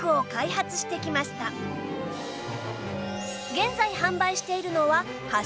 現在販売しているのは８種類